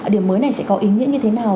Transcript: điểm mới này sẽ có ý nghĩa như thế nào